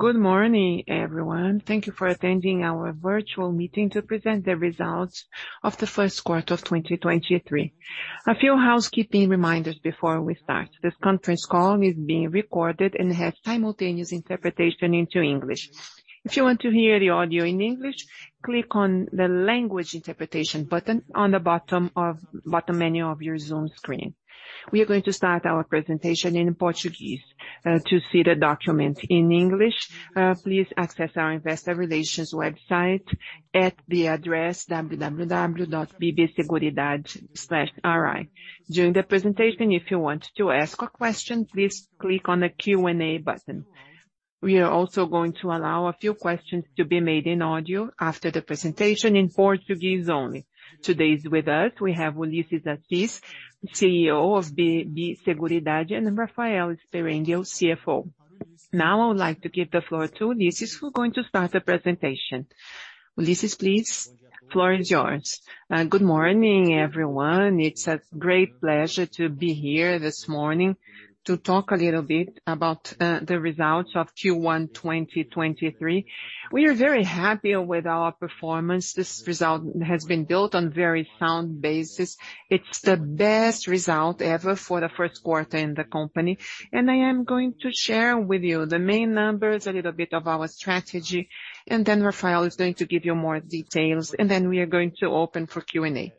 Good morning, everyone. Thank you for attending our virtual meeting to present the results of the 1st quarter of 2023. A few housekeeping reminders before we start. This conference call is being recorded and has simultaneous interpretation into English. If you want to hear the audio in English, click on the Language Interpretation button on the bottom menu of your Zoom screen. We are going to start our presentation in Portuguese. To see the documents in English, please access our Investor Relations website at the address www.bbseguridade/ri. During the presentation, if you want to ask a question, please click on the Q&A button. We are also going to allow a few questions to be made in audio after the presentation in Portuguese only. Today is with us, we have Ullisses Assis, CEO of BB Seguridade, and Rafael Sperendio, CFO. I would like to give the floor to Ulisses who's going to start the presentation. Ulisses, please, floor is yours. Good morning, everyone. It's a great pleasure to be here this morning to talk a little bit about the results of Q1 2023. We are very happy with our performance. This result has been built on very sound basis. It's the best result ever for the first quarter in the company. I am going to share with you the main numbers, a little bit of our strategy. Then Rafael is going to give you more details. Then we are going to open for Q&A.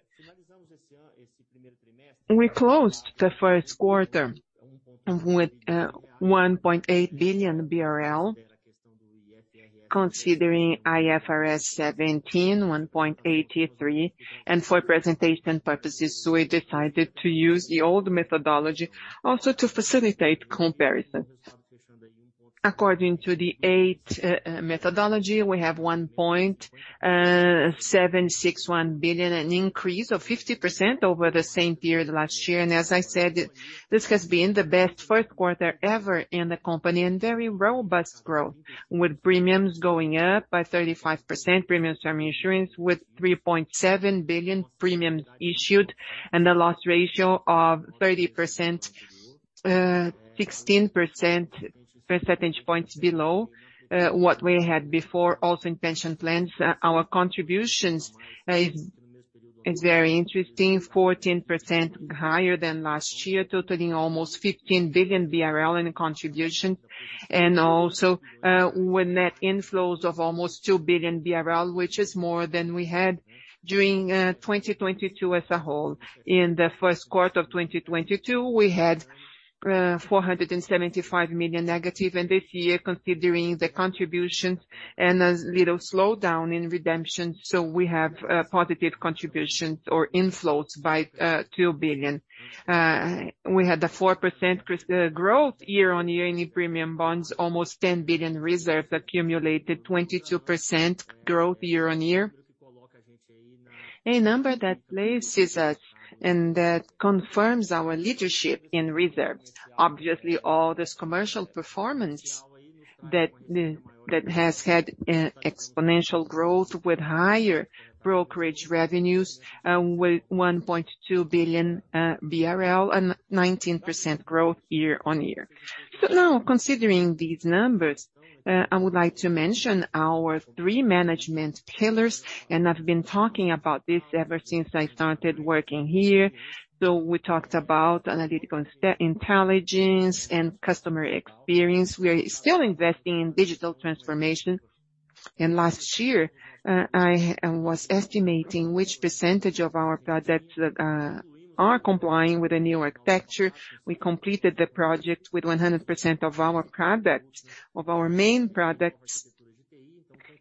We closed the first quarter with 1.8 billion BRL, considering IFRS 17, 1.83 billion. For presentation purposes, we decided to use the old methodology also to facilitate comparison. According to the eighth methodology, we have 1.761 billion, an increase of 50% over the same period last year. As I said, this has been the best first quarter ever in the company and very robust growth, with premiums going up by 35%, premiums from insurance with 3.7 billion premiums issued and a loss ratio of 30%, 16 percentage points below what we had before. Also, in pension plans, our contributions is very interesting, 14% higher than last year, totaling almost 15 billion BRL in contributions. Also, with net inflows of almost 2 billion BRL, which is more than we had during 2022 as a whole. In the first quarter of 2022, we had 475 million negative. This year, considering the contributions and a little slowdown in redemption, we have positive contributions or inflows by 2 billion. We had a 4% growth year-on-year in premium bonds, almost 10 billion reserves accumulated, 22% growth year-on-year. A number that places us and that confirms our leadership in reserves. Obviously, all this commercial performance that has had exponential growth with higher brokerage revenues, with 1.2 billion BRL and 19% growth year-on-year. Now, considering these numbers, I would like to mention our three management pillars, and I've been talking about this ever since I started working here. We talked about analytical intelligence and customer experience. We are still investing in digital transformation. Last year, I was estimating which percentage of our products that are complying with the new architecture. We completed the project with 100% of our products, of our main products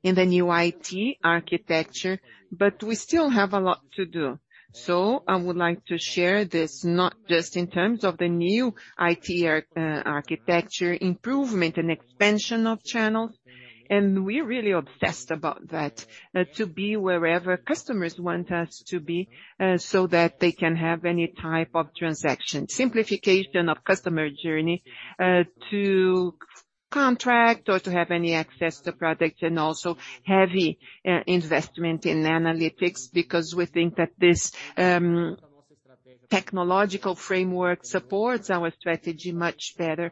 in the new IT architecture, but we still have a lot to do. I would like to share this not just in terms of the new IT architecture, improvement and expansion of channels, and we're really obsessed about that, to be wherever customers want us to be, so that they can have any type of transaction. Simplification of customer journey, to contract or to have any access to products, and also heavy investment in analytics, because we think that this technological framework supports our strategy much better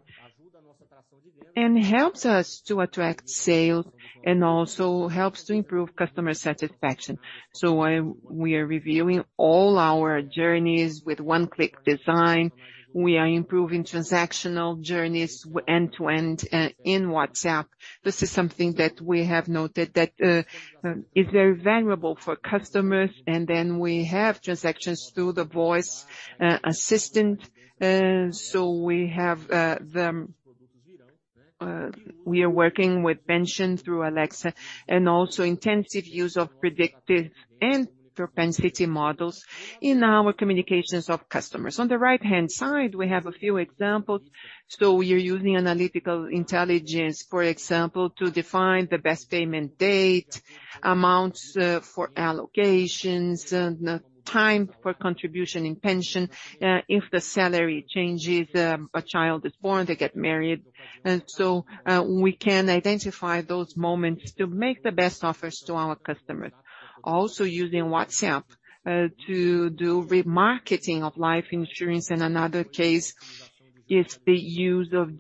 and helps us to attract sales and also helps to improve customer satisfaction. We are reviewing all our journeys with one-click design. We are improving transactional journeys end-to-end in WhatsApp. This is something that we have noted that is very valuable for customers. We have transactions through the voice assistant. We are working with pension through Alexa and also intensive use of predictive and propensity models in our communications of customers. On the right-hand side, we have a few examples. We are using analytical intelligence, for example, to define the best payment date, amounts, for allocations, time for contribution in pension, if the salary changes, a child is born, they get married. We can identify those moments to make the best offers to our customers. Also using WhatsApp to do remarketing of life insurance. In another case is the use of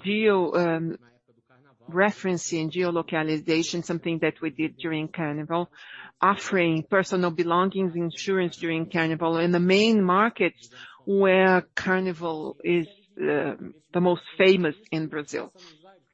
geo-referencing geolocalization, something that we did during Carnival, offering personal belongings insurance during Carnival in the main markets where Carnival is the most famous in Brazil.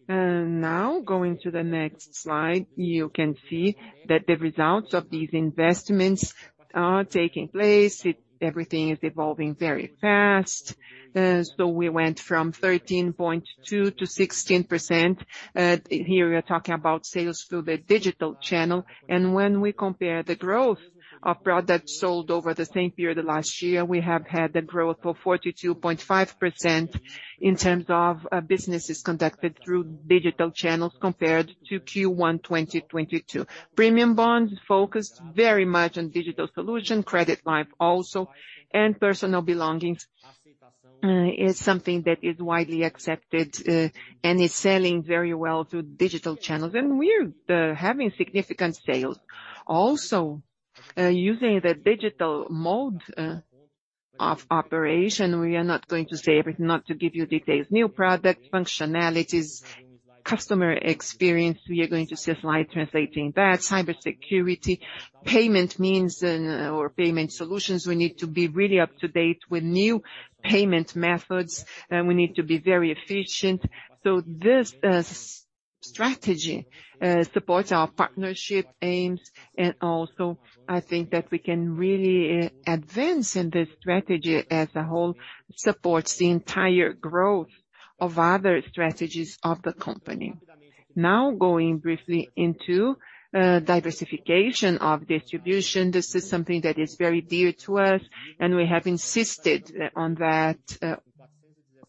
Now, going to the next slide, you can see that the results of these investments are taking place. Everything is evolving very fast. We went from 13.2%-16%. Here, we are talking about sales through the digital channel. When we compare the growth of products sold over the same period last year, we have had a growth of 42.5% in terms of businesses conducted through digital channels compared to Q1 2022. Premium bonds focused very much on digital solution, credit life also, and personal belongings is something that is widely accepted and is selling very well through digital channels. We're having significant sales. Also, using the digital mode of operation, we are not going to say everything, not to give you details. New product functionalities, customer experience, we are going to see a slide translating that, cybersecurity, payment means and/or payment solutions. We need to be really up to date with new payment methods, and we need to be very efficient. This strategy supports our partnership aims, and also I think that we can really advance in this strategy as a whole, supports the entire growth of other strategies of the company. Now, going briefly into diversification of distribution. This is something that is very dear to us. We have insisted on that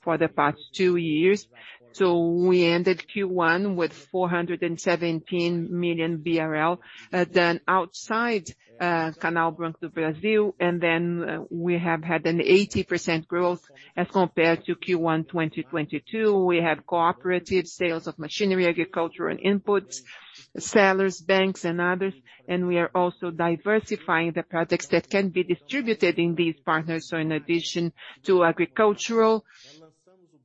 for the past two years. We ended Q1 with 417 million BRL. Outside Canal Banco do Brasil, we have had an 80% growth as compared to Q1 2022. We have cooperative sales of machinery, agricultural inputs, sellers, banks and others. We are also diversifying the products that can be distributed in these partners. In addition to agricultural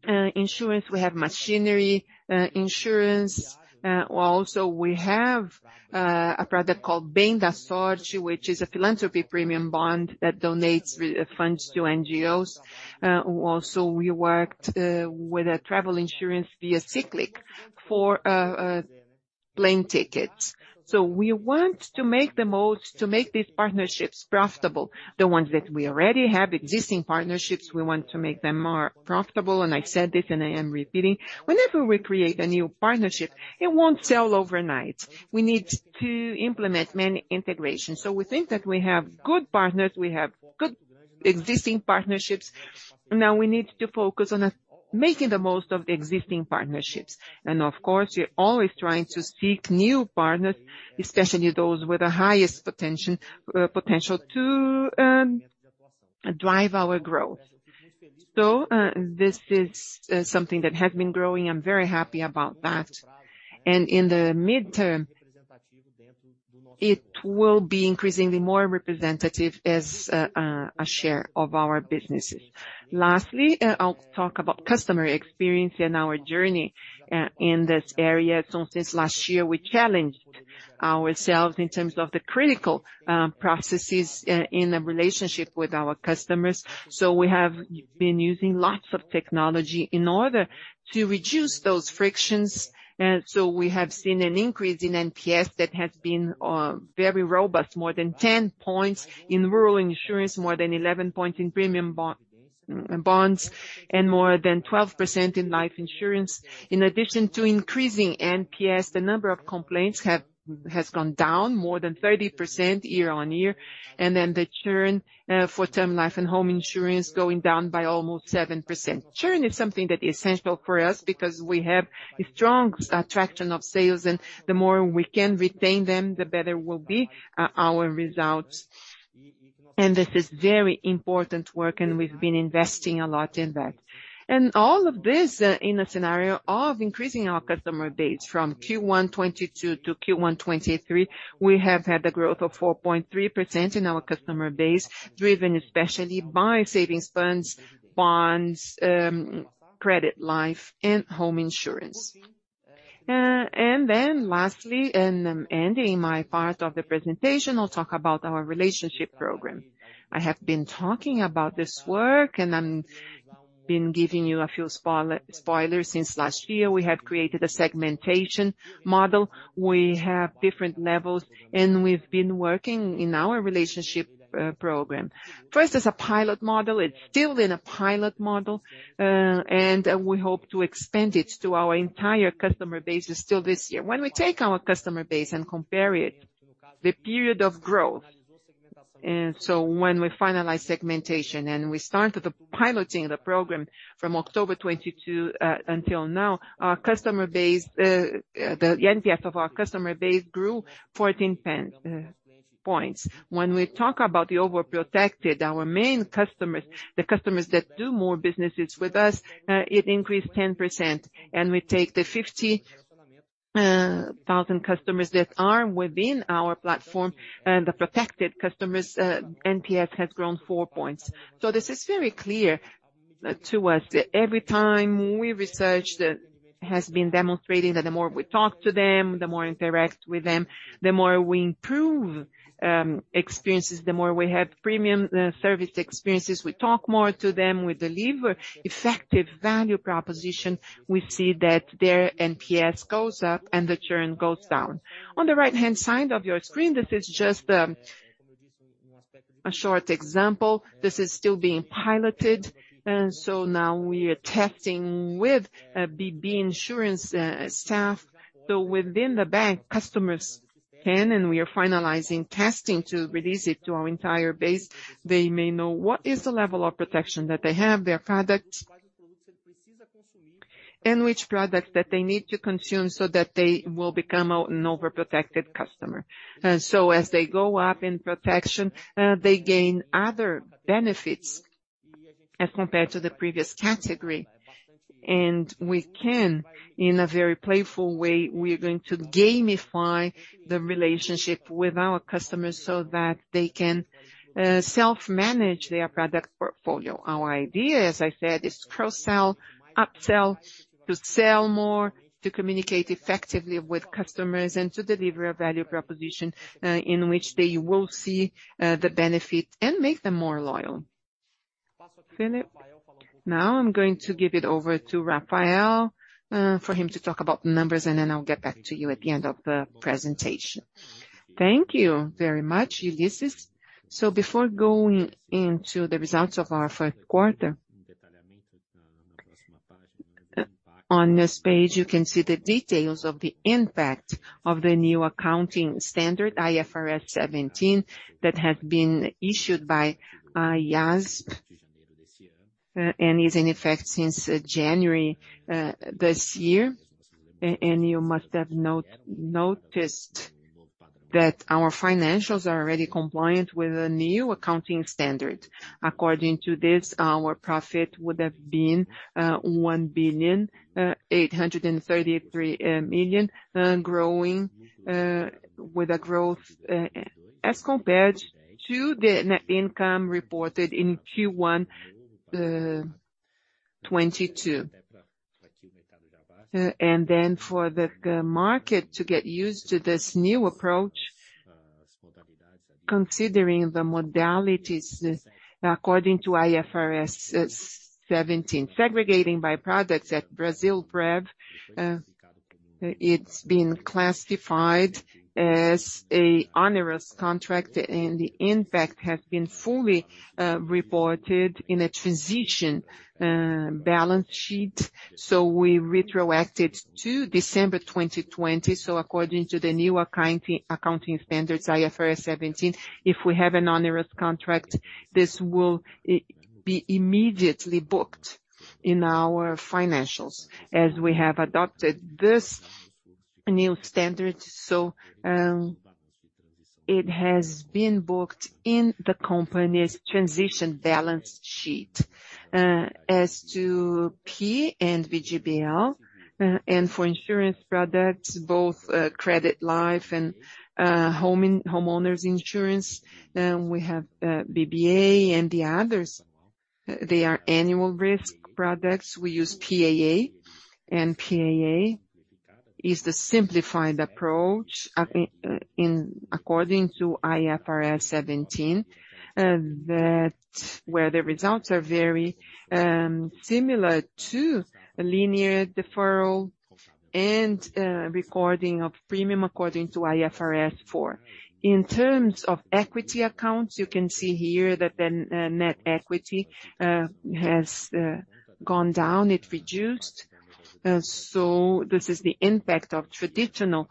insurance, we have machinery insurance. Also, we have a product called Bem da Sorte, which is a philanthropy premium bond that donates funds to NGOs. Also, we worked with a travel insurance via Ciclic for plane tickets. We want to make the most to make these partnerships profitable. The ones that we already have, existing partnerships, we want to make them more profitable. I said this, and I am repeating, whenever we create a new partnership, it won't sell overnight. We need to implement many integrations. We think that we have good partners, we have good existing partnerships. Now we need to focus on making the most of the existing partnerships. Of course, we're always trying to seek new partners, especially those with the highest potential to drive our growth. This is something that has been growing. I'm very happy about that. In the midterm, it will be increasingly more representative as a share of our businesses. Lastly, I'll talk about customer experience and our journey in this area. Since last year, we challenged ourselves in terms of the critical processes in a relationship with our customers. We have been using lots of technology in order to reduce those frictions. We have seen an increase in NPS that has been very robust, more than 10 points in rural insurance, more than 11 points in premium bonds, and more than 12% in life insurance. In addition to increasing NPS, the number of complaints has gone down more than 30% year-on-year, and the churn for term life and home insurance going down by almost 7%. Churn is something that is essential for us because we have a strong attraction of sales, and the more we can retain them, the better will be our results. This is very important work, and we've been investing a lot in that. All of this, in a scenario of increasing our customer base from Q1 2022 to Q1 2023, we have had a growth of 4.3% in our customer base, driven especially by savings funds, bonds, credit life and home insurance. Lastly, and I'm ending my part of the presentation, I'll talk about our relationship program. I have been talking about this work, and I'm been giving you a few spoilers since last year. We have created a segmentation model. We have different levels, and we've been working in our relationship program. First, as a pilot model, it's still in a pilot model, and we hope to expand it to our entire customer base still this year. When we take our customer base and compare it, the period of growth, when we finalize segmentation and we started the piloting the program from October 2022 until now, our customer base, the NPS of our customer base grew 14 points. When we talk about the overprotected customers, our main customers, the customers that do more businesses with us, it increased 10%. We take the 50,000 customers that are within our platform, the protected customers, NPS has grown four points. This is very clear to us, every time we research, that has been demonstrating that the more we talk to them, the more interact with them, the more we improve experiences, the more we have premium service experiences. We talk more to them, we deliver effective value proposition. We see that their NPS goes up and the churn goes down. On the right-hand side of your screen, this is just a short example. This is still being piloted. Now we're testing with BB Insurance staff. Within the bank, customers can, and we are finalizing testing to release it to our entire base. They may know what is the level of protection that they have, their products, and which product that they need to consume so that they will become an Overprotected customer. As they go up in protection, they gain other benefits as compared to the previous category. We can, in a very playful way, we're going to gamify the relationship with our customers so that they can self-manage their product portfolio. Our idea, as I said, is to cross-sell, upsell, to sell more, to communicate effectively with customers, and to deliver a value proposition in which they will see the benefit and make them more loyal. Felipe. I'm going to give it over to Rafael for him to talk about the numbers, and then I'll get back to you at the end of the presentation. Thank you very much, Ullisses. Before going into the results of our first quarter, on this page, you can see the details of the impact of the new accounting standard, IFRS 17, that had been issued by IASB and is in effect since January this year. And you must have noticed that our financials are already compliant with the new accounting standard. According to this, our profit would have been 1.833 billion, growing with a growth as compared to the net income reported in Q1 2022. For the market to get used to this new approach, considering the modalities according to IFRS 17. Segregating by products at Brasilprev, it's been classified as an onerous contract, and the impact has been fully reported in a transition balance sheet. We retroacted to December 2020. According to the new accounting standards, IFRS 17, if we have an onerous contract, this will be immediately booked in our financials as we have adopted this new standard. It has been booked in the company's transition balance sheet. As to P and VGBL, and for insurance products, both, credit life and homeowners insurance, we have BBA and the others. They are annual risk products. We use PAA, and PAA is the simplified approach in, according to IFRS 17, that where the results are very similar to a linear deferral and recording of premium according to IFRS 4. In terms of equity accounts, you can see here that the net equity has gone down, it reduced. This is the impact of traditional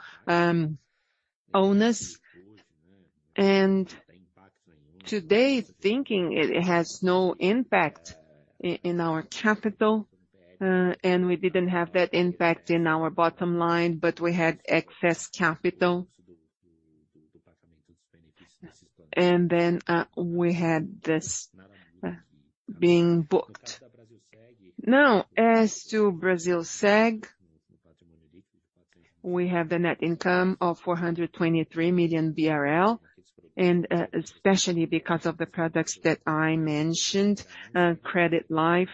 owners. Today, thinking it has no impact in our capital, and we didn't have that impact in our bottom line, but we had excess capital. We had this being booked. As to Brasilseg, we have the net income of 423 million BRL, especially because of the products that I mentioned, credit life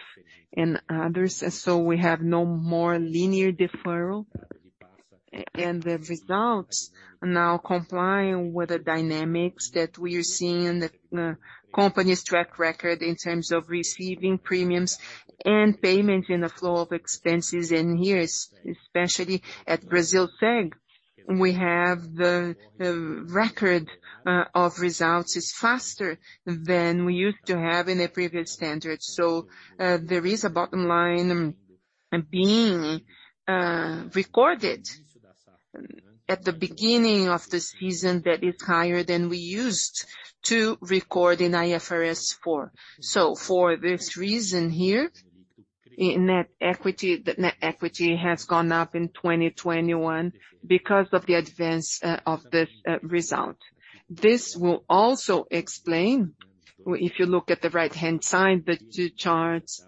and others. We have no more linear deferral. The results now comply with the dynamics that we are seeing in the company's track record in terms of receiving premiums and payments in the flow of expenses. Here, especially at Brasilseg, we have the record of results is faster than we used to have in the previous standards. There is a bottom line being recorded at the beginning of the season that is higher than we used to record in IFRS 4. For this reason here, in net equity, the net equity has gone up in 2021 because of the advance of this result. This will also explain, if you look at the right-hand side, the two charts.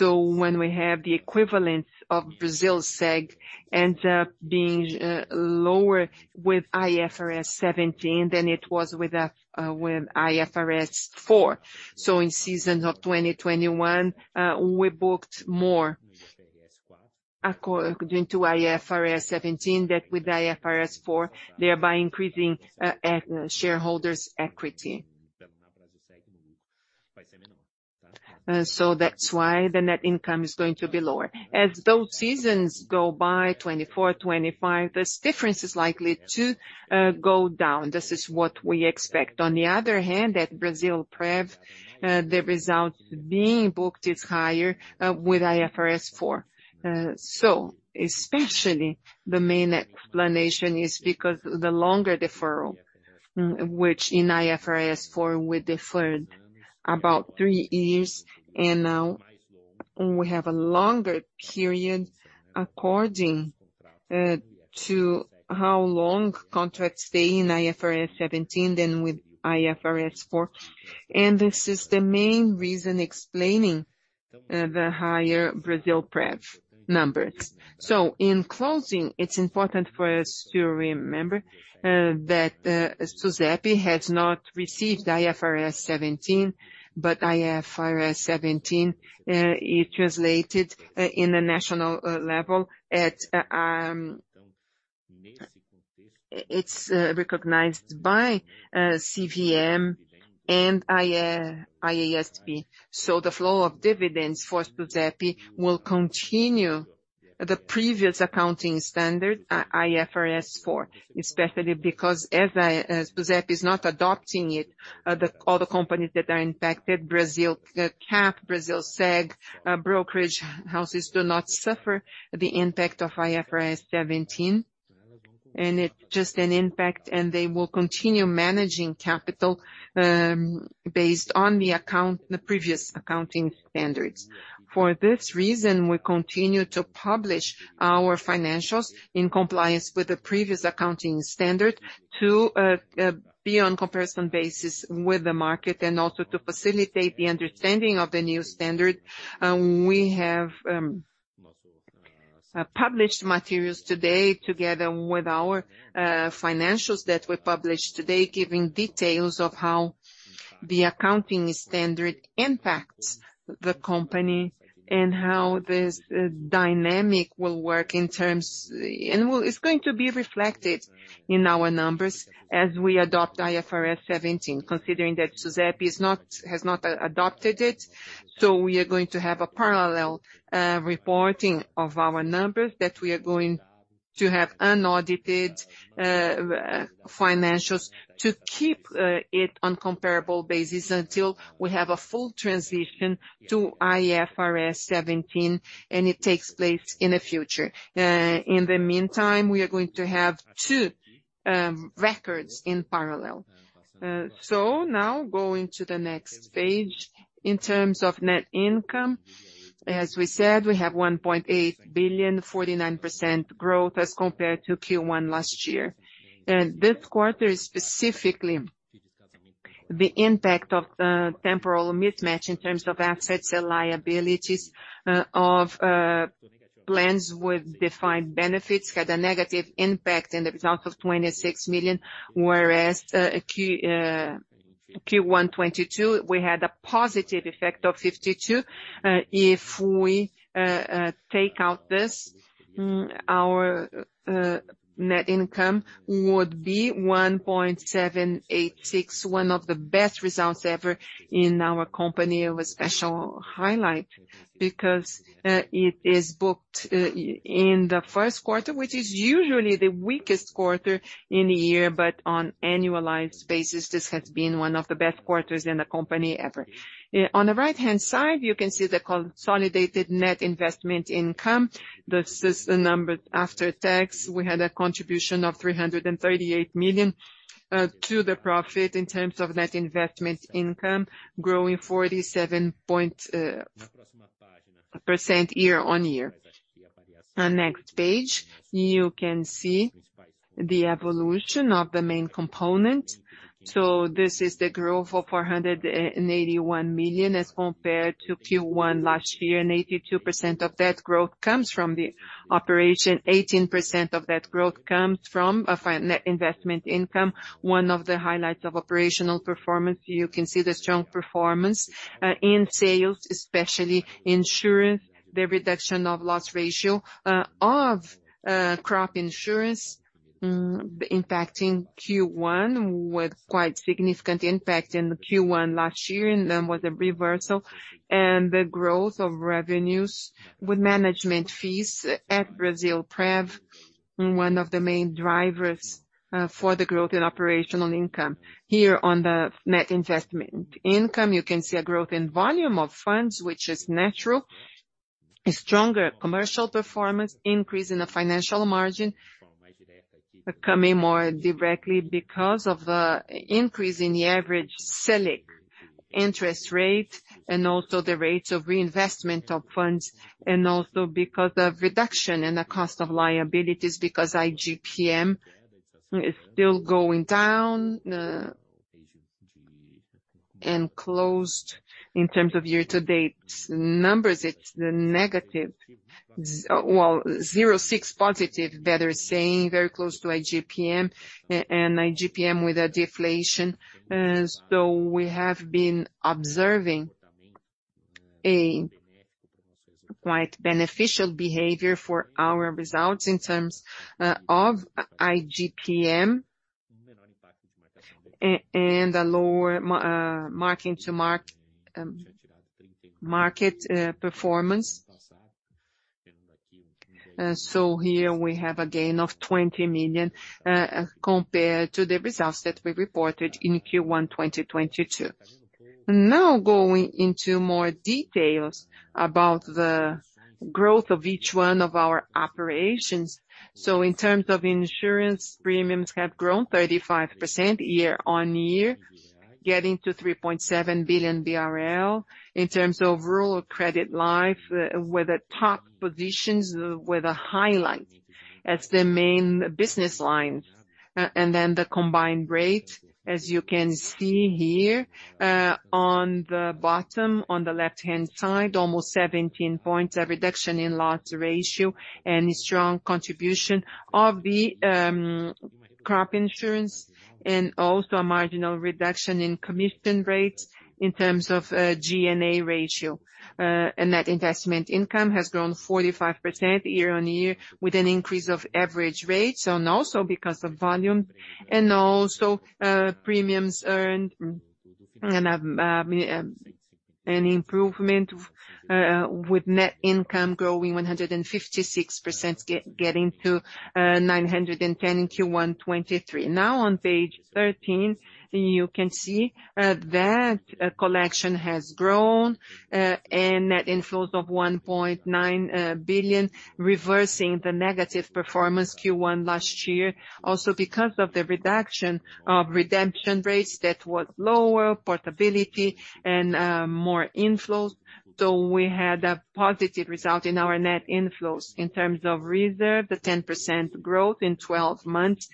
When we have the equivalent of Brasilseg end up being lower with IFRS 17 than it was with IFRS 4. In season of 2021, we booked more according to IFRS 17 that with IFRS 4, thereby increasing shareholders' equity. So that's why the net income is going to be lower. As those seasons go by 2024, 2025, this difference is likely to go down. This is what we expect. On the other hand, at Brasilprev, the results being booked is higher with IFRS 4. Especially the main explanation is because the longer deferral, which in IFRS 4 we deferred about three years, and now we have a longer period according to how long contracts stay in IFRS 17 than with IFRS 4. This is the main reason explaining the higher Brasilprev numbers. In closing, it's important for us to remember that Susep has not received IFRS 17, but IFRS 17 it translated in the national level at. It's recognized by CVM and IASB. The flow of dividends for Susep will continue the previous accounting standard, IFRS 4, especially because as Susep is not adopting it, all the companies that are impacted, Brasilcap, Brasilseg, brokerage houses do not suffer the impact of IFRS 17, and it just an impact, and they will continue managing capital based on the previous accounting standards. For this reason, we continue to publish our financials in compliance with the previous accounting standard to be on comparison basis with the market and also to facilitate the understanding of the new standard. We have published materials today together with our financials that we published today, giving details of how the accounting standard impacts the company and how this dynamic will work. It's going to be reflected in our numbers as we adopt IFRS 17, considering that Susep has not adopted it. We are going to have a parallel reporting of our numbers, that we are going to have unaudited financials to keep it on comparable basis until we have a full transition to IFRS 17, and it takes place in the future. In the meantime, we are going to have two records in parallel. Now going to the next page. In terms of net income, as we said, we have 1.8 billion, 49% growth as compared to Q1 last year. This quarter specifically, the impact of temporal mismatch in terms of assets and liabilities of plans with defined benefits had a negative impact in the result of 26 million, whereas Q1 2022, we had a positive effect of 52 million. If we take out this, our net income would be 1.786 billion, one of the best results ever in our company. It was special highlight because it is booked in the first quarter, which is usually the weakest quarter in a year. On annualized basis, this has been one of the best quarters in the company ever. On the right-hand side, you can see the consolidated net investment income. This is the number after tax. We had a contribution of 338 million to the profit in terms of net investment income, growing 47% year-over-year. On next page, you can see the evolution of the main component. This is the growth of 481 million as compared to Q1 last year, and 82% of that growth comes from the operation. 18% of that growth comes from net investment income. One of the highlights of operational performance, you can see the strong performance in sales, especially insurance, the reduction of loss ratio of crop insurance, impacting Q1 with quite significant impact in Q1 last year, and then with a reversal. The growth of revenues with management fees at Brasilprev, one of the main drivers for the growth in operational income. Here on the net investment income, you can see a growth in volume of funds, which is natural. A stronger commercial performance, increase in the financial margin, coming more directly because of the increase in the average Selic interest rate and also the rates of reinvestment of funds, and also because of reduction in the cost of liabilities because IGPM is still going down, and closed in terms of year-to-date numbers, it's negative. Well, +0.6, better saying, very close to IGPM, and IGPM with a deflation. We have been observing quite beneficial behavior for our results in terms of IGPM and a lower mark into mark market performance. Here we have a gain of 20 million compared to the results that we reported in Q1, 2022. Going into more details about the growth of each one of our operations. In terms of insurance, premiums have grown 35% year-on-year, getting to 3.7 billion BRL. In terms of rural credit life, with the top positions, with a highlight as the main business line. The combined rate, as you can see here, on the bottom, on the left-hand side, almost 17 points of reduction in loss ratio and a strong contribution of the crop insurance, and also a marginal reduction in commission rates in terms of G&A ratio. That investment income has grown 45% year-on-year with an increase of average rates, and also because of volume and also premiums earned, and an improvement with net income growing 156%, getting to 910 million in Q1 2023. Now on page 13, you can see that collection has grown and net inflows of 1.9 billion, reversing the negative performance Q1 last year. Because of the reduction of redemption rates, that was lower portability and more inflows. We had a positive result in our net inflows. In terms of reserve, the 10% growth in 12 months,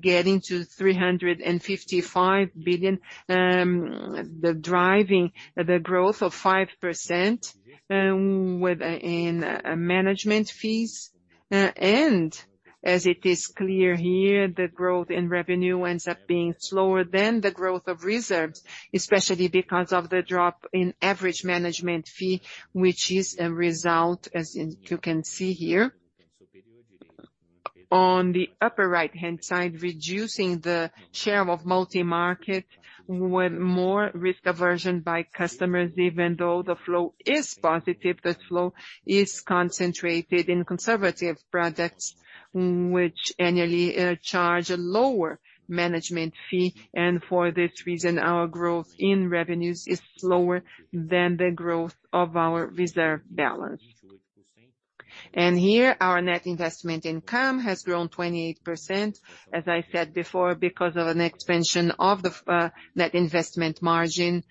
getting to 355 billion. The driving, the growth of 5%, with in management fees. As it is clear here, the growth in revenue ends up being slower than the growth of reserves, especially because of the drop in average management fee, which is a result, as you can see here. On the upper right-hand side, reducing the share of multi-market with more risk aversion by customers. Even though the flow is positive, the flow is concentrated in conservative products, which annually charge a lower management fee. For this reason, our growth in revenues is slower than the growth of our reserve balance. Here, our net investment income has grown 28%, as I said before, because of an expansion of the net investment margin,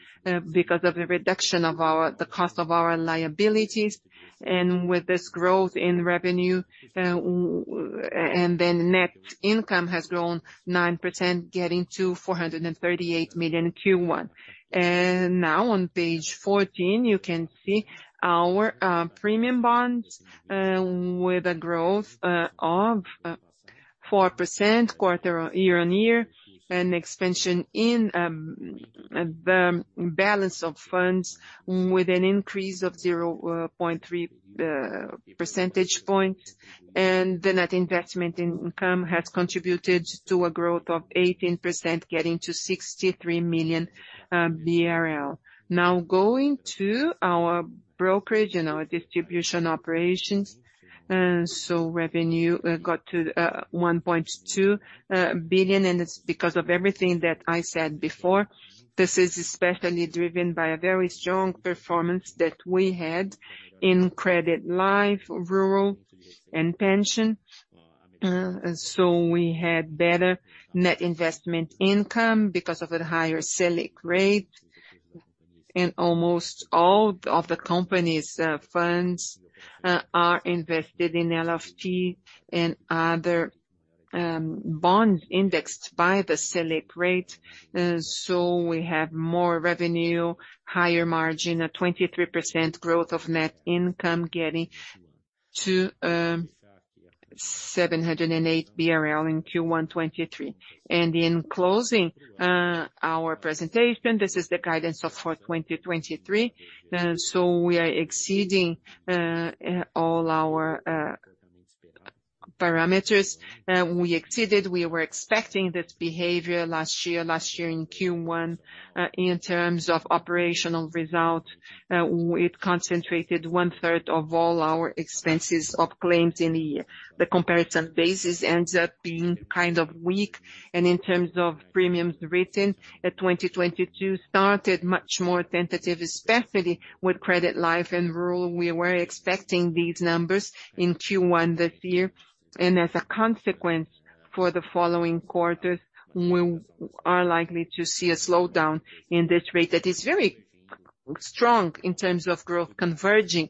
because of a reduction of our, the cost of our liabilities. With this growth in revenue, net income has grown 9%, getting to 438 million in Q1. On page 14, you can see our premium bonds with a growth of 4% year-on-year. An expansion in the balance of funds with an increase of 0.3 percentage point. The net investment income has contributed to a growth of 18%, getting to 63 million BRL. Now going to our brokerage and our distribution operations. Revenue got to 1.2 billion, it's because of everything that I said before. This is especially driven by a very strong performance that we had in credit life, rural and pension. We had better net investment income because of the higher Selic rate. Almost all of the company's funds are invested in LFT and other bond indexed by the Selic rate. We have more revenue, higher margin, a 23% growth of net income getting to 708 BRL in Q1 2023. In closing, our presentation, this is the guidance for 2023. We are exceeding all our parameters. We exceeded, we were expecting this behavior last year in Q1. In terms of operational results, it concentrated one-third of all our expenses of claims in the year. The comparison basis ends up being kind of weak. In terms of premiums written, 2022 started much more tentative, especially with credit life and rural. We were expecting these numbers in Q1 this year. As a consequence, for the following quarters, we are likely to see a slowdown in this rate that is very strong in terms of growth converging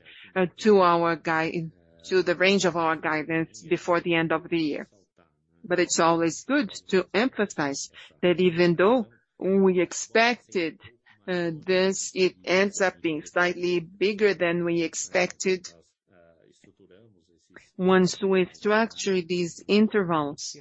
to the range of our guidance before the end of the year. It's always good to emphasize that even though we expected this, it ends up being slightly bigger than we expected. Once we structure these intervals,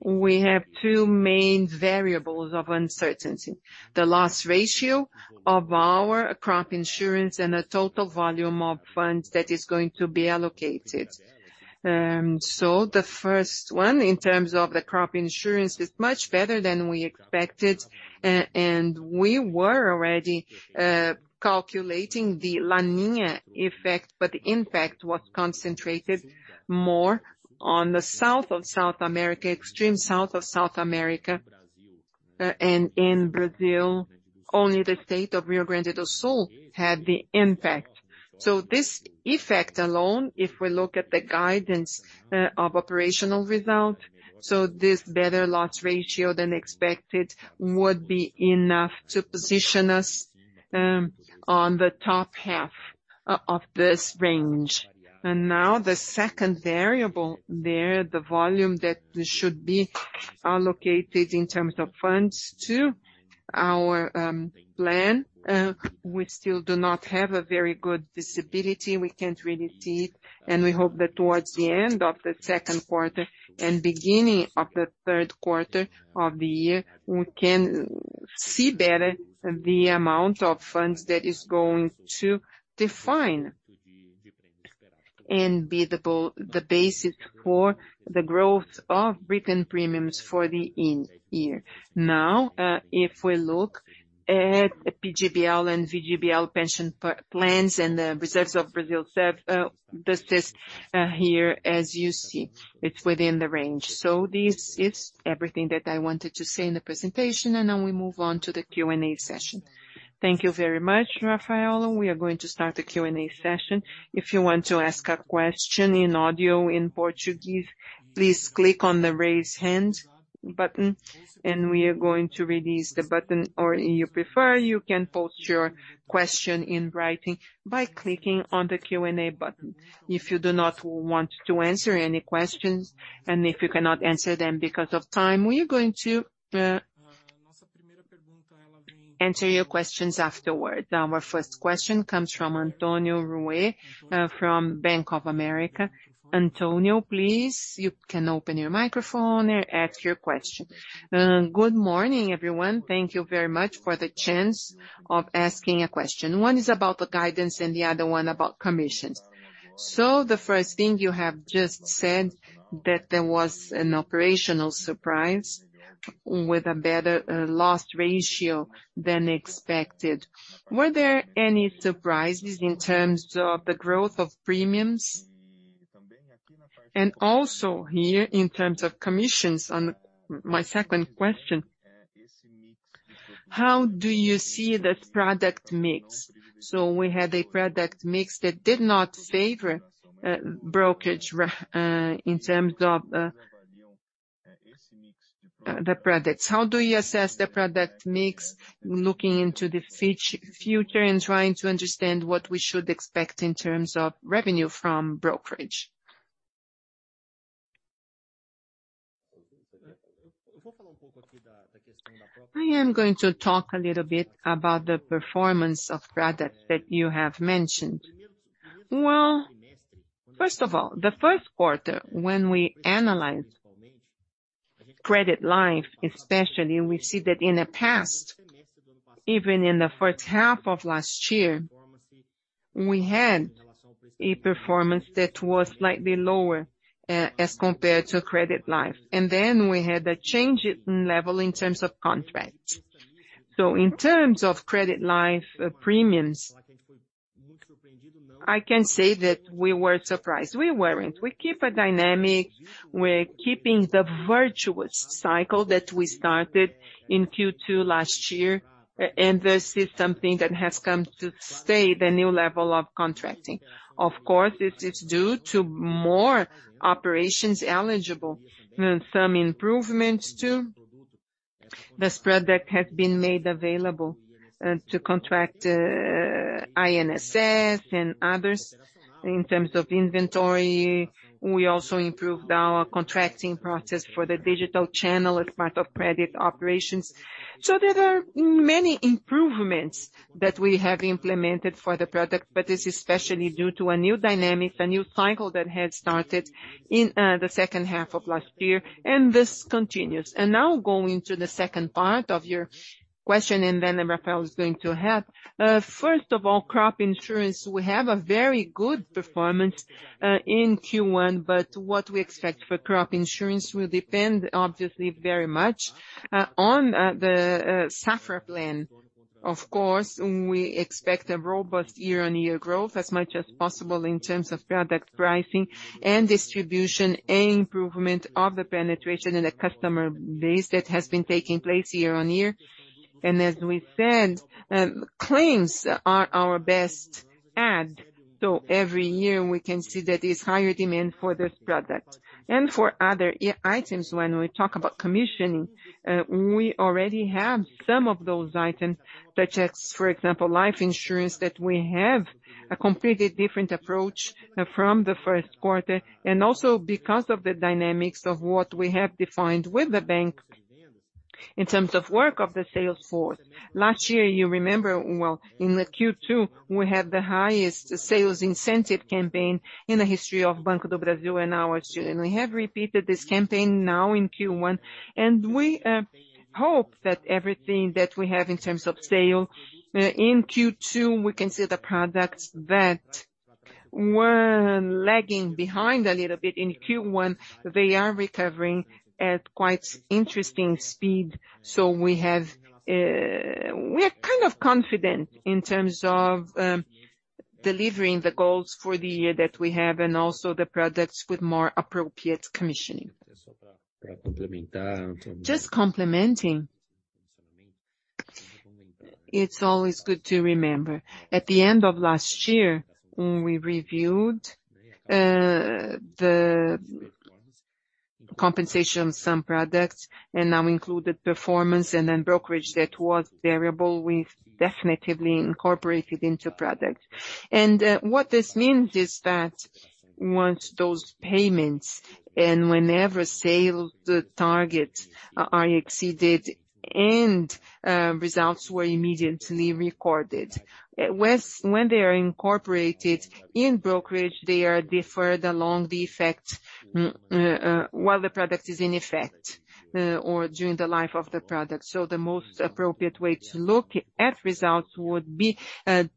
we have two main variables of uncertainty. The loss ratio of our crop insurance and the total volume of funds that is going to be allocated. The first one, in terms of the crop insurance, is much better than we expected. And we were already calculating the La Niña effect, but the impact was concentrated more on the south of South America, extreme south of South America. In Brazil, only the state of Rio Grande do Sul had the impact. This effect alone, if we look at the guidance of operational results, this better loss ratio than expected would be enough to position us on the top half of this range. Now the 2nd variable there, the volume that should be allocated in terms of funds to our plan, we still do not have a very good visibility. We can't really see it, we hope that towards the end of the second quarter and beginning of the third quarter of the year, we can see better the amount of funds that is going to define and be the basis for the growth of written premiums for the end year. If we look at PGBL and VGBL pension plans and the reserves of Brasilprev, this here, as you see, it's within the range. This is everything that I wanted to say in the presentation. Now we move on to the Q&A session. Thank you very much, Rafael. We are going to start the Q&A session. If you want to ask a question in audio in Portuguese, please click on the Raise Hand button. We are going to release the button. If you prefer, you can post your question in writing by clicking on the Q&A button. If you do not want to answer any questions, if you cannot answer them because of time, we're going to answer your questions afterward. Our first question comes from Antonio Ruette from Bank of America. Antonio, please, you can open your microphone and ask your question. Good morning, everyone. Thank you very much for the chance of asking a question. One is about the guidance and the other one about commissions. The first thing you have just said that there was an operational surprise with a better loss ratio than expected. Were there any surprises in terms of the growth of premiums? Also here in terms of commissions, on my second question, how do you see the product mix? We had a product mix that did not favor brokerage in terms of the products. How do you assess the product mix looking into the future and trying to understand what we should expect in terms of revenue from brokerage? I am going to talk a little bit about the performance of products that you have mentioned. First of all, the first quarter, when we analyzed credit life, especially, we see that in the past, even in the first half of last year, we had a performance that was slightly lower as compared to credit life. Then we had a change in level in terms of contracts. In terms of credit life, premiums, I can say that we were surprised. We weren't. We keep a dynamic. We're keeping the virtuous cycle that we started in Q2 last year. This is something that has come to stay, the new level of contracting. Of course, it's due to more operations eligible. Some improvements to the spread that has been made available to contract INSS and others. In terms of inventory, we also improved our contracting process for the digital channel as part of credit operations. There are many improvements that we have implemented for the product, but it's especially due to a new dynamic, a new cycle that had started in the second half of last year. This continues. Now going to the second part of your question, Rafael is going to help. First of all, crop insurance, we have a very good performance in Q1. What we expect for crop insurance will depend, obviously, very much on the Safra Plan. Of course, we expect a robust year-on-year growth as much as possible in terms of product pricing and distribution and improvement of the penetration in the customer base that has been taking place year-on-year. As we said, claims are our best ad. Every year we can see that it's higher demand for this product. For other items, when we talk about commissioning, we already have some of those items, such as, for example, life insurance, that we have a completely different approach from the first quarter, and also because of the dynamics of what we have defined with the bank in terms of work of the sales force. Last year, you remember, well, in the Q2, we had the highest sales incentive campaign in the history of Banco do Brasil and our student. We have repeated this campaign now in Q1, we hope that everything that we have in terms of sale in Q2, we can see the products that were lagging behind a little bit in Q1. They are recovering at quite interesting speed. We have, we are kind of confident in terms of delivering the goals for the year that we have and also the products with more appropriate commissioning. Just complementing, it's always good to remember. At the end of last year, when we reviewed the compensation of some products and now included performance and then brokerage that was variable, we've definitively incorporated into product. What this means is that once those payments and whenever sale the targets are exceeded and results were immediately recorded. When they are incorporated in brokerage, they are deferred along the effect while the product is in effect or during the life of the product. The most appropriate way to look at results would be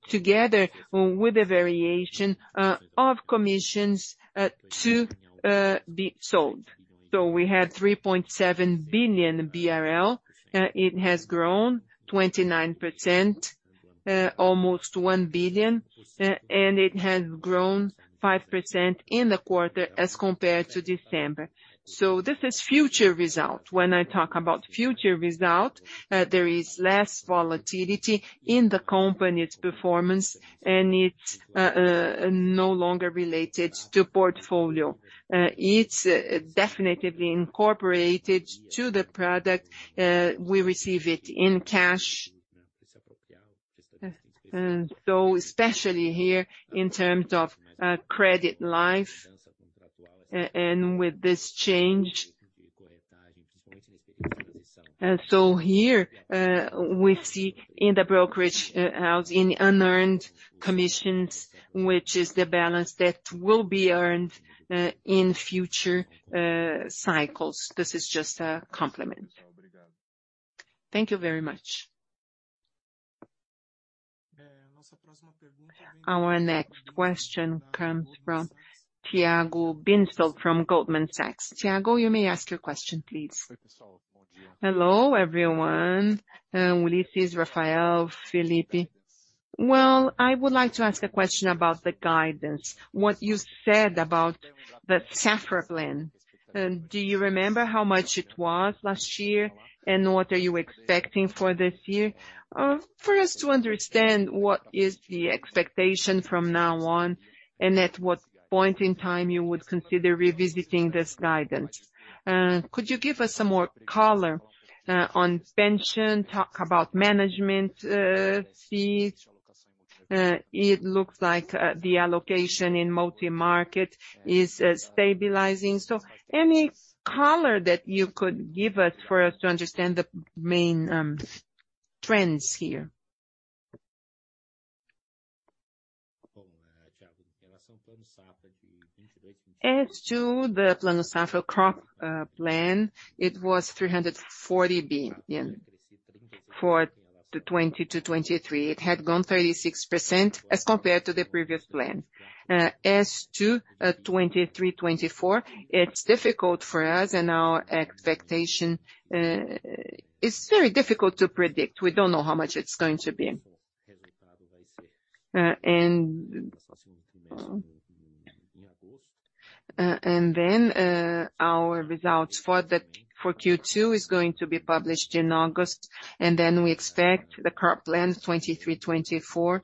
together with the variation of commissions to be sold. We had 3.7 billion BRL. It has grown 29%, almost 1 billion, and it has grown 5% in the quarter as compared to December. This is future result. When I talk about future result, there is less volatility in the company's performance, and it's no longer related to portfolio. It's definitely incorporated to the product. We receive it in cash. Especially here in terms of credit life and with this change. Here, we see in the brokerage, as in unearned commissions, which is the balance that will be earned in future cycles. This is just a complement. Thank you very much. Our next question comes from Tiago Binsfeld from Goldman Sachs. Tiago, you may ask your question, please. Hello, everyone. Ullisses, Rafael, Felipe. Well, I would like to ask a question about the guidance, what you said about the Safra Plan. Do you remember how much it was last year, and what are you expecting for this year? For us to understand what is the expectation from now on and at what point in time you would consider revisiting this guidance. Could you give us some more color on pension, talk about management fees? It looks like the allocation in multi-market is stabilizing. Any color that you could give us for us to understand the main trends here. As to the Plano Safra crop plan, it was 340 billion for the 2020-2023. It had gone 36% as compared to the previous plan. As to 2023, 2024, it's difficult for us, and our expectation is very difficult to predict. We don't know how much it's going to be. Our results for Q2 is going to be published in August, and then we expect the crop plan 2023, 2024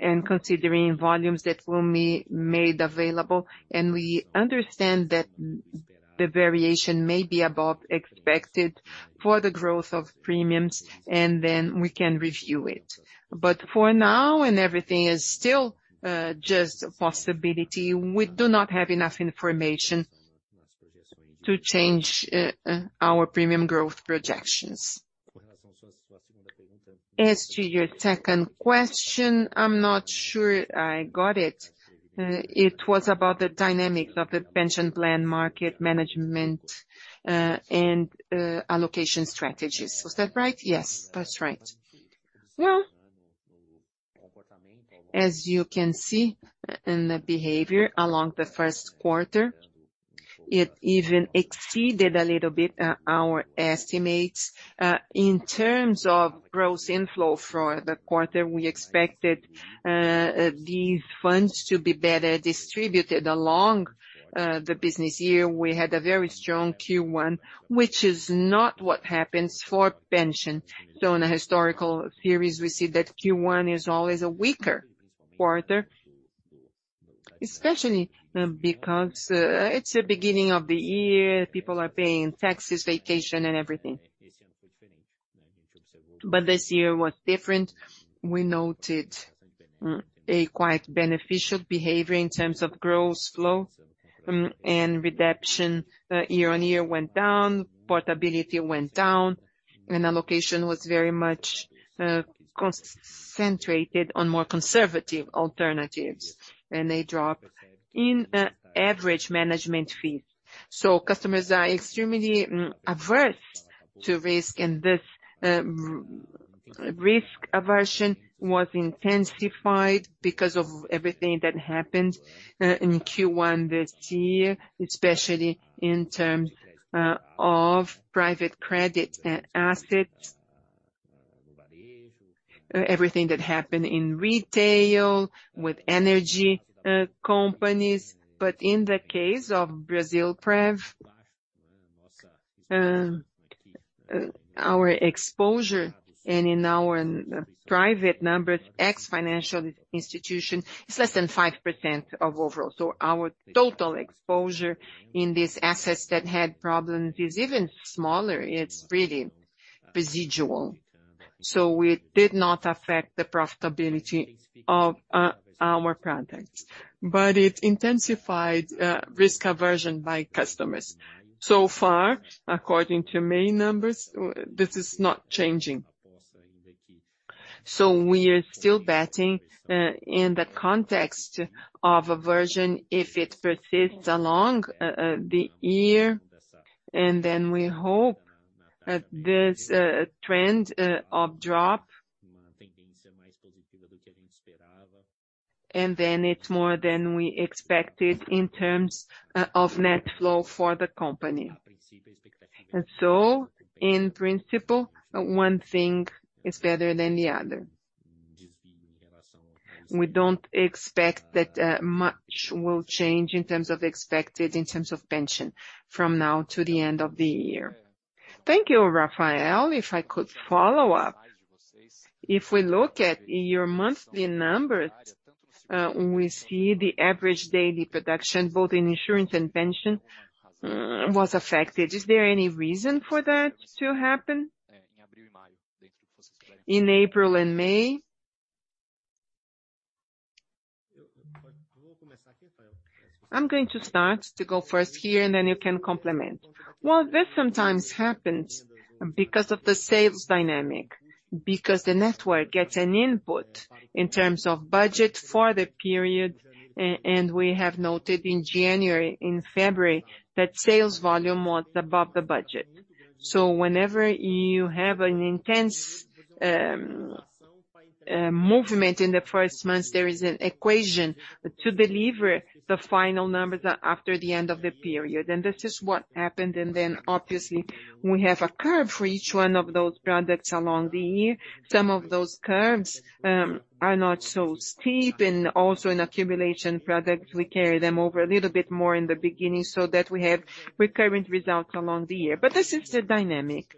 and considering volumes that will be made available. We understand that the variation may be above expected for the growth of premiums, and then we can review it. For now, and everything is still just a possibility, we do not have enough information to change our premium growth projections. As to your second question, I'm not sure I got it. It was about the dynamics of the pension plan, market management, and allocation strategies. Was that right? Yes, that's right. As you can see in the behavior along the first quarter, it even exceeded a little bit, our estimates. In terms of gross inflow for the quarter, we expected these funds to be better distributed along the business year. We had a very strong Q1, which is not what happens for pension. In the historical theories, we see that Q1 is always a weaker quarter, especially because it's the beginning of the year, people are paying taxes, vacation, and everything. This year was different. We noted a quite beneficial behavior in terms of gross flow and redemption year-on-year went down, portability went down, and allocation was very much concentrated on more conservative alternatives and a drop in average management fee. Customers are extremely adverse to risk, and this risk aversion was intensified because of everything that happened in Q1 this year, especially in terms of private credit assets, everything that happened in retail with energy companies. In the case of Brasilprev, our exposure and in our private numbers, ex-financial institution, is less than 5% of overall. Our total exposure in these assets that had problems is even smaller. It's really residual. It did not affect the profitability of our products, but it intensified risk aversion by customers. So far, according to May numbers, this is not changing. We are still betting in the context of aversion, if it persists along the year, and then we hope this trend of drop, and then it's more than we expected in terms of net flow for the company. In principle, one thing is better than the other. We don't expect that much will change in terms of expected, in terms of pension from now to the end of the year. Thank you, Rafael. If I could follow up. If we look at your monthly numbers, we see the average daily production, both in insurance and pension, was affected. Is there any reason for that to happen in April and May? I'm going to start to go first here, and then you can complement. This sometimes happens because of the sales dynamic, because the network gets an input in terms of budget for the period. And we have noted in January, in February, that sales volume was above the budget. Whenever you have an intense movement in the first months, there is an equation to deliver the final numbers after the end of the period. This is what happened. Obviously we have a curve for each one of those products along the year. Some of those curves are not so steep. Also in accumulation products, we carry them over a little bit more in the beginning so that we have recurrent results along the year. This is the dynamic.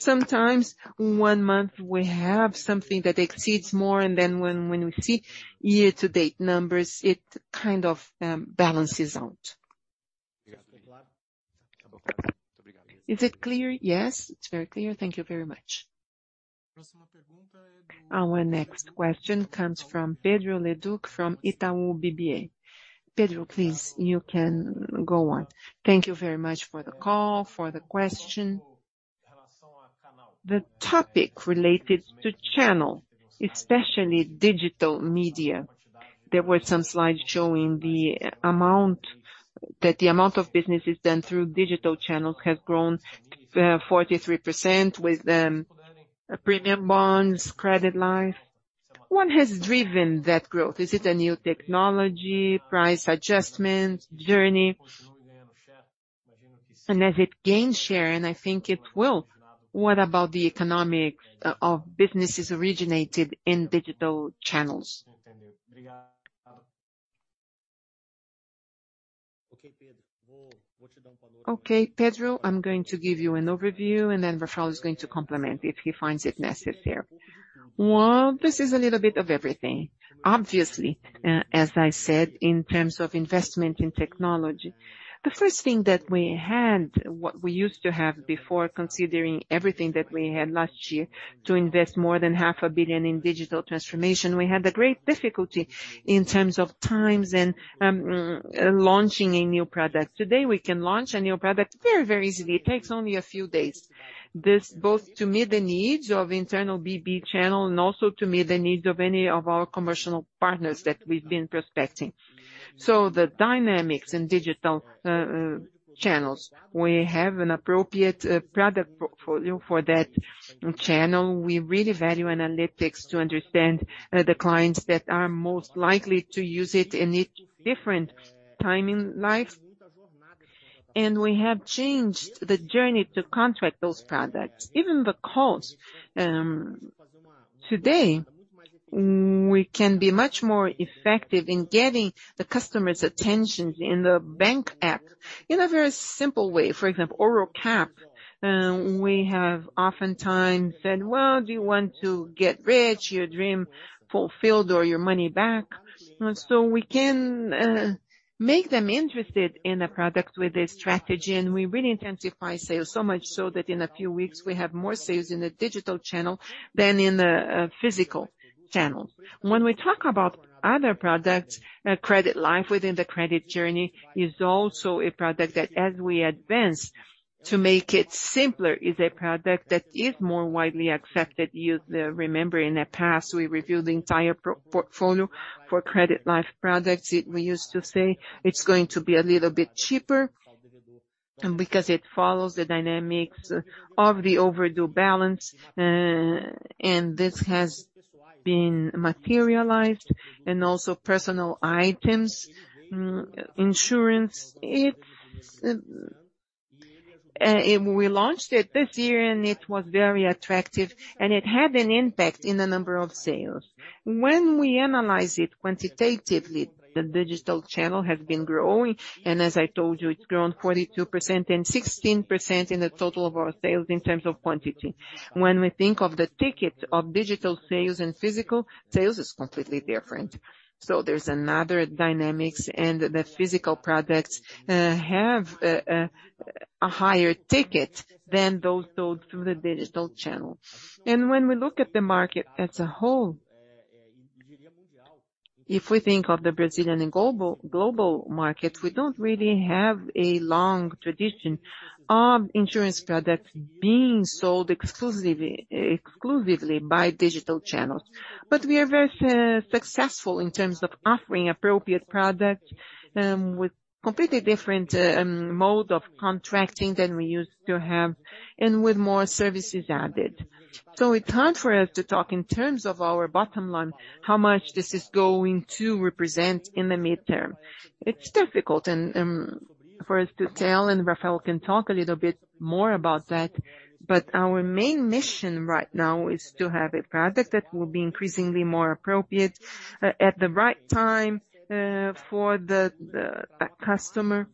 Sometimes one month we have something that exceeds more, and then when we see year-to-date numbers, it kind of balances out. Is it clear? Yes, it's very clear. Thank you very much. Our next question comes from Pedro Leduc from Itaú BBA. Pedro, please, you can go on. Thank you very much for the call, for the question. The topic related to channel, especially digital media. There were some slides showing that the amount of businesses done through digital channels has grown 43% with premium bonds, credit line. What has driven that growth? Is it a new technology, price adjustment, journey? And as it gains share, and I think it will, what about the economic of businesses originated in digital channels? Okay, Pedro, I'm going to give you an overview, and then Rafael is going to complement if he finds it necessary. Well, this is a little bit of everything. Obviously, as I said, in terms of investment in technology, the first thing that we had, what we used to have before, considering everything that we had last year, to invest more than half a billion in digital transformation, we had a great difficulty in terms of times and launching a new product. Today, we can launch a new product very, very easily. It takes only a few days. This both to meet the needs of internal BB channel and also to meet the needs of any of our commercial partners that we've been prospecting. The dynamics in digital channels, we have an appropriate product portfolio for that channel. We really value analytics to understand the clients that are most likely to use it in each different time in life. We have changed the journey to contract those products, even the cost. Today, we can be much more effective in getting the customer's attention in the bank App in a very simple way. For example, Ourocap, we have oftentimes said, "Well, do you want to get rich, your dream fulfilled, or your money back?" We can make them interested in a product with this strategy, and we really intensify sales, so much so that in a few weeks we have more sales in the digital channel than in the physical channel. When we talk about other products, credit line within the credit journey is also a product that, to make it simpler, is a product that is more widely accepted. You remember in the past, we reviewed the entire pro-portfolio for credit life products. We used to say, it's going to be a little bit cheaper, because it follows the dynamics of the overdue balance. This has been materialized, also personal items, insurance. It's, we launched it this year, it was very attractive, it had an impact in the number of sales. When we analyze it quantitatively, the digital channel has been growing, as I told you, it's grown 42% and 16% in the total of our sales in terms of quantity. When we think of the ticket of digital sales and physical sales is completely different. There's another dynamics the physical products have a higher ticket than those sold through the digital channel. When we look at the market as a whole, if we think of the Brazilian and global market, we don't really have a long tradition of insurance products being sold exclusively by digital channels. We are very successful in terms of offering appropriate products, with completely different, mode of contracting than we used to have, and with more services added. It's hard for us to talk in terms of our bottom line, how much this is going to represent in the midterm. It's difficult and for us to tell, and Rafael can talk a little bit more about that. Our main mission right now is to have a product that will be increasingly more appropriate at the right time, for the customer.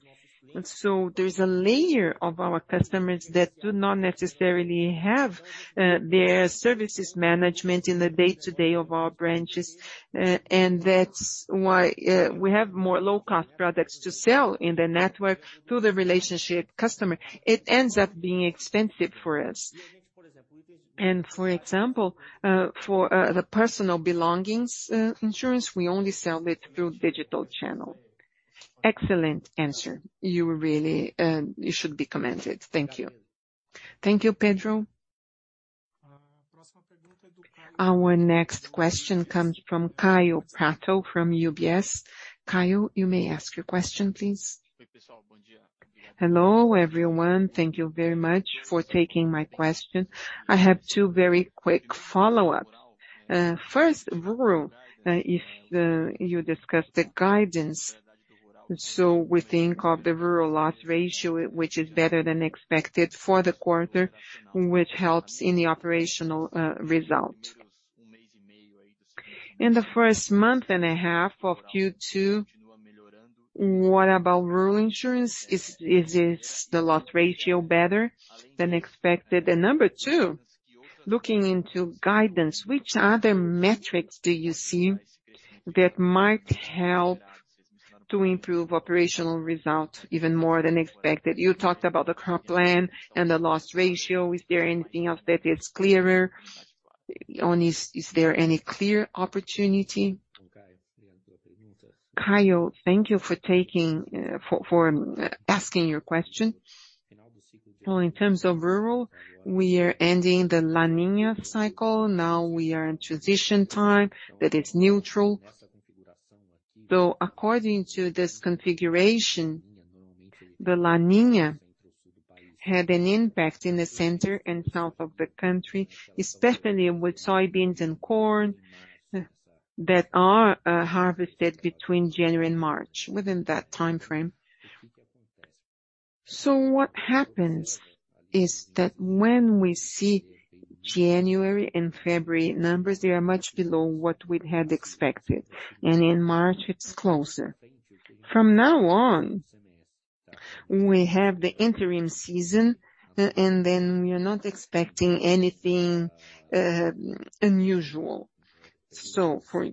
There's a layer of our customers that do not necessarily have their services management in the day-to-day of our branches. That's why we have more low-cost products to sell in the network to the relationship customer. It ends up being expensive for us. For example, for the personal belongings insurance, we only sell it through digital channel. Excellent answer. You really should be commended. Thank you. Thank you, Pedro. Our next question comes from Kaio Prato from UBS. Kaio, you may ask your question, please. Hello, everyone. Thank you very much for taking my question. I have 2 very quick follow-up. First, rural, if you discuss the guidance, we think of the rural loss ratio, which is better than expected for the quarter, which helps in the operational result. In the first month and a half of Q2, what about rural insurance? Is the loss ratio better than expected? Number two, looking into guidance, which other metrics do you see that might help to improve operational result even more than expected? You talked about the crop plan and the loss ratio. Is there anything else that is clearer? Is there any clear opportunity? Kaio, thank you for asking your question. In terms of rural, we are ending the La Niña cycle. Now we are in transition time, that it's neutral. According to this configuration, the La Niña had an impact in the center and south of the country, especially with soybeans and corn that are harvested between January and March, within that timeframe. What happens is that when we see January and February numbers, they are much below what we had expected. In March, it's closer. From now on, we have the interim season, and then we're not expecting anything unusual. For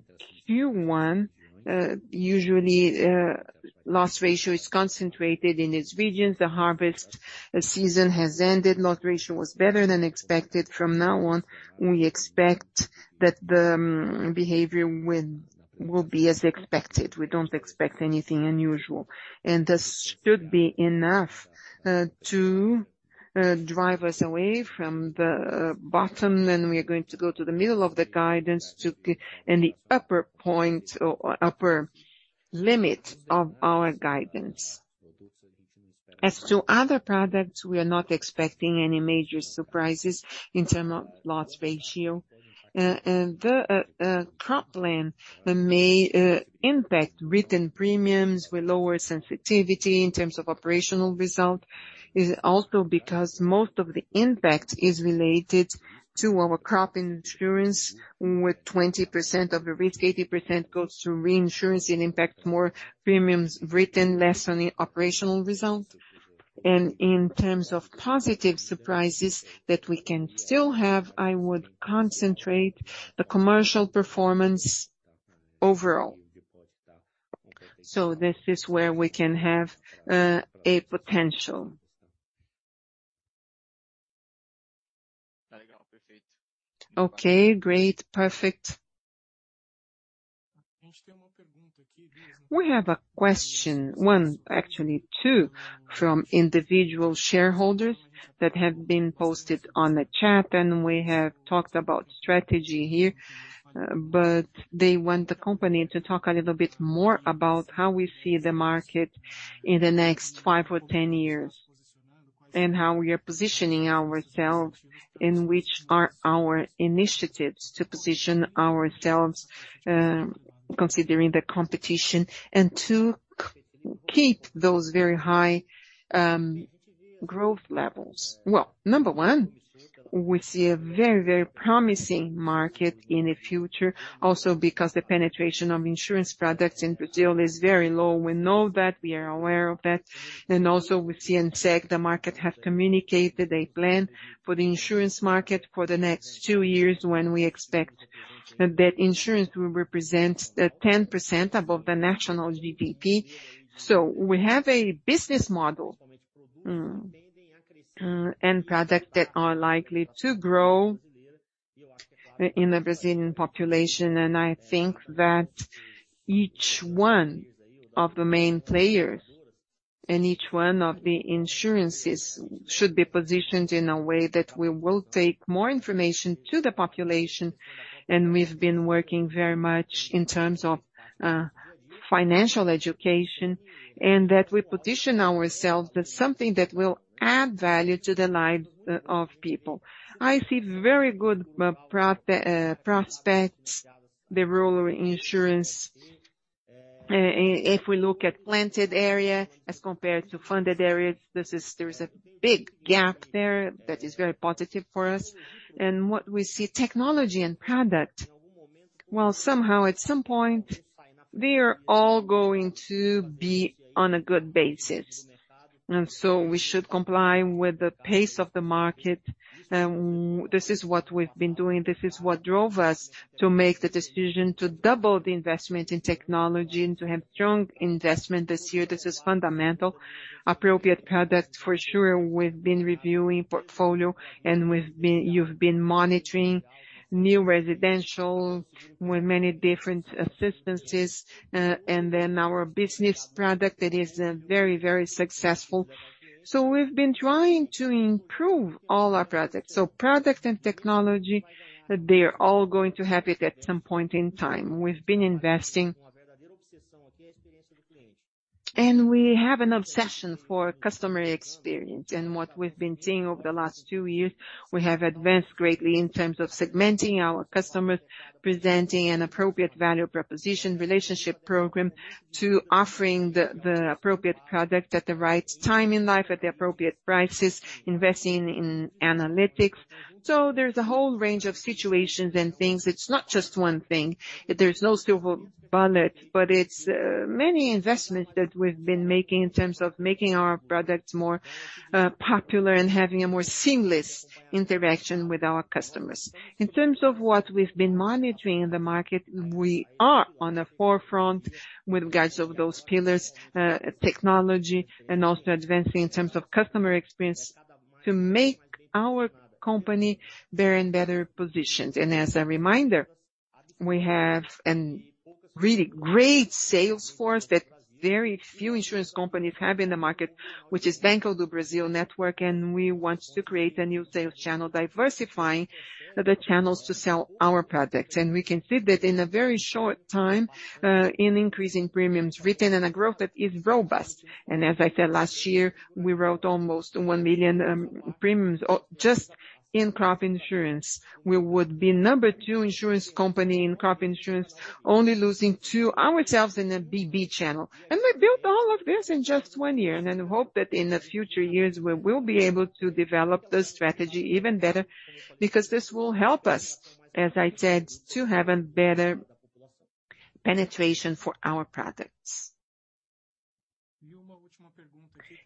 Q1, usually, loss ratio is concentrated in these regions. The harvest season has ended. Loss ratio was better than expected. From now on, we expect that the behavior will be as expected. We don't expect anything unusual. This should be enough to drive us away from the bottom, and we are going to go to the middle of the guidance to and the upper point or upper limit of our guidance. As to other products, we are not expecting any major surprises in term of loss ratio. The crop plan that may impact written premiums with lower sensitivity in terms of operational result is also because most of the impact is related to our crop insurance, with 20% of the risk, 80% goes to reinsurance and impacts more premiums written less on the operational result. In terms of positive surprises that we can still have, I would concentrate the commercial performance overall. This is where we can have a potential. Okay, great. Perfect. We have a question, one, actually two, from individual shareholders that have been posted on the chat, and we have talked about strategy here. They want the company to talk a little bit more about how we see the market in the next five or 10 years, and how we are positioning ourselves, and which are our initiatives to position ourselves, considering the competition and to keep those very high growth levels. Well, number one, we see a very, very promising market in the future also because the penetration of insurance products in Brazil is very low. We know that. We are aware of that. Also with CNseg, the market has communicated a plan for the insurance market for the next two years when we expect that insurance will represent 10% above the national GDP. We have a business model and product that are likely to grow in the Brazilian population. I think that each one of the main players and each one of the insurances should be positioned in a way that we will take more information to the population, and we've been working very much in terms of financial education, and that we position ourselves as something that will add value to the lives of people. I see very good prospects, the rural insurance. If we look at planted area as compared to funded areas, there's a big gap there that is very positive for us. What we see, technology and product, well, somehow at some point, they are all going to be on a good basis. We should comply with the pace of the market. This is what we've been doing. This is what drove us to make the decision to double the investment in technology and to have strong investment this year. This is fundamental. Appropriate product, for sure. We've been reviewing portfolio, and you've been monitoring new residential with many different assistances. Our business product that is very successful. We've been trying to improve all our products. Product and technology, they're all going to happen at some point in time. We've been investing. We have an obsession for customer experience. What we've been seeing over the last two years, we have advanced greatly in terms of segmenting our customers, presenting an appropriate value proposition relationship program to offering the appropriate product at the right time in life at the appropriate prices, investing in analytics. There's a whole range of situations and things. It's not just one thing. There's no silver bullet, but it's many investments that we've been making in terms of making our products more popular and having a more seamless interaction with our customers. In terms of what we've been monitoring in the market, we are on the forefront regards of those pillars, technology and also advancing in terms of customer experience to make our company bear in better positions. As a reminder, we have an really great sales force that very few insurance companies have in the market, which is Banco do Brasil network. We want to create a new sales channel, diversifying the channels to sell our products. We can see that in a very short time, in increasing premiums written and a growth that is robust. As I said, last year, we wrote almost one million premiums just in crop insurance. We would be number two insurance company in crop insurance, only losing to ourselves in the BB channel. We built all of this in just one year and hope that in the future years, we will be able to develop this strategy even better because this will help us, as I said, to have a better penetration for our products.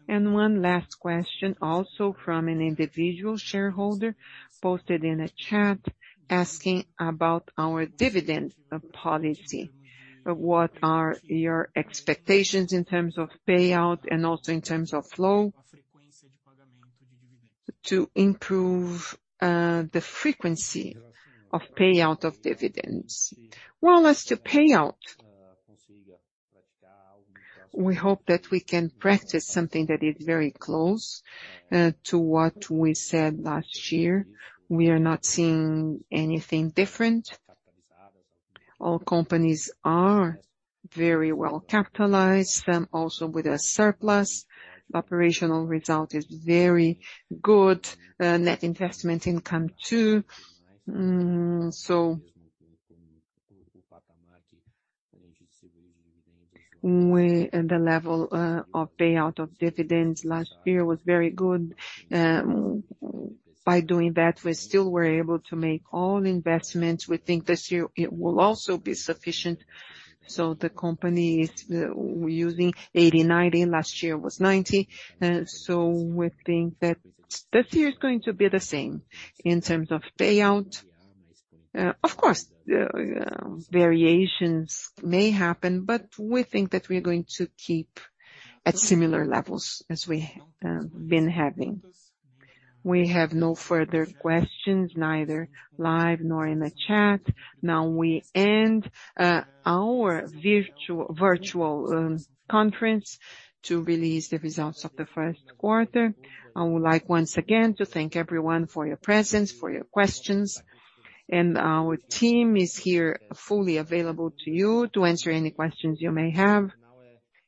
One last question also from an individual shareholder posted in a chat asking about our dividend policy. What are your expectations in terms of payout and also in terms of flow to improve the frequency of payout of dividends? As to payout, we hope that we can practice something that is very close to what we said last year. We are not seeing anything different. All companies are very well capitalized, also with a surplus. Operational result is very good. Net investment income too. The level of payout of dividends last year was very good. By doing that, we still were able to make all investments. We think this year it will also be sufficient. The company is using 80/90. Last year was 90. We think that this year is going to be the same in terms of payout. Of course, variations may happen, but we think that we're going to keep at similar levels as we been having. We have no further questions, neither live nor in the chat. Now we end our virtual conference to release the results of the first quarter. I would like once again to thank everyone for your presence, for your questions. Our team is here fully available to you to answer any questions you may have.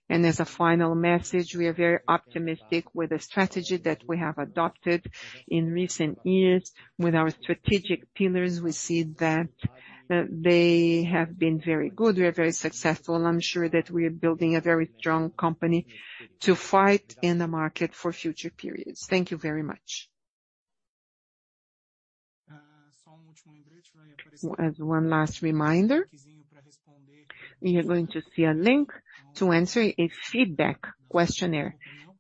As a final message, we are very optimistic with the strategy that we have adopted in recent years. With our strategic pillars, we see that they have been very good. We are very successful. I'm sure that we are building a very strong company to fight in the market for future periods. Thank you very much. As one last reminder, you're going to see a link to answer a feedback questionnaire,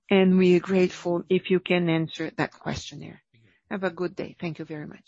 and we are grateful if you can answer that questionnaire. Have a good day. Thank you very much.